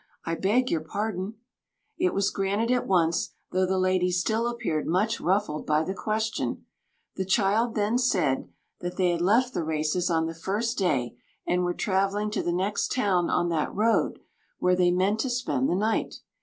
"I beg your pardon." It was granted at once, though the lady still appeared much ruffled by the question. The child then said that they had left the races on the first day, and were travelling to the next town on that road, where they meant to spend the night.